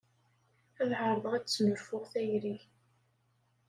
Ad εerḍeɣ ad d-snulfuɣ tayri